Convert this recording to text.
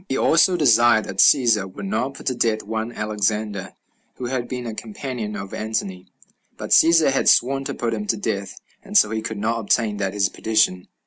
He also desired that Cæsar would not put to death one Alexander, who had been a companion of Antony; but Cæsar had sworn to put him to death, and so he could not obtain that his petition.